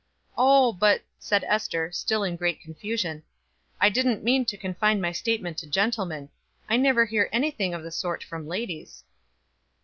"Oh but," said Ester, still in great confusion, "I didn't mean to confine my statement to gentlemen. I never hear anything of the sort from ladies."